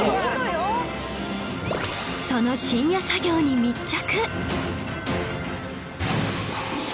その深夜作業に密着！